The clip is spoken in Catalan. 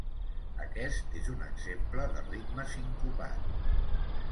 Aquest és un exemple de ritme sincopat.